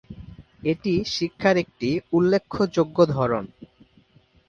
এটি শিক্ষার একটি উল্লেখ্যযোগ্য ধরন।